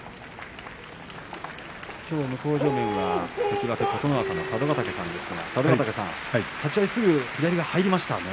きょう向正面は関脇琴ノ若の佐渡ヶ嶽さんですが立ち合いすぐ左、入りましたね。